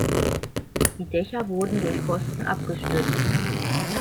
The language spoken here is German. Die Dächer wurden durch Pfosten abgestützt.